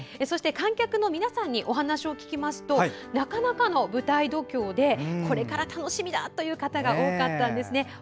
そして観客の皆さんにお話を聞きますとなかなかの舞台度胸でこれから楽しみだという方が多かったんですね。